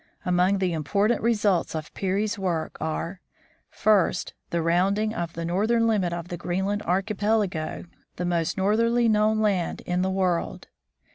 Among the important results of Peary's work are :— First : The rounding of the northern limit of the Green land archipelago, the most northerly known land in the world.